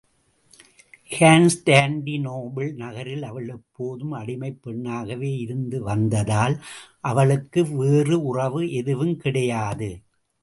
Constantinople நகரில் அவள் எப்போதும் அடிமைப் பெண்ணாகவே இருந்து வந்ததால் அவளுக்கு வேறு உறவு எதுவும் கிடையாது.